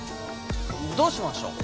どうしましょう？